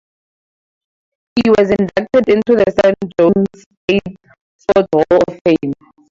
He was inducted into the San Jose State Sports Hall of Fame.